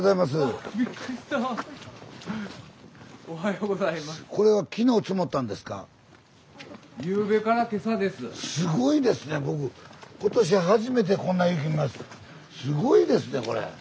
すごいですねこれ！